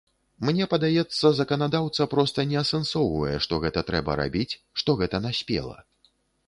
Мне падаецца, заканадаўца проста не асэнсоўвае, што гэта трэба рабіць, што гэта наспела.